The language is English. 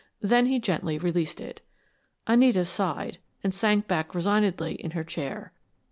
Then he gently released it. Anita sighed and sank back resignedly in her chair.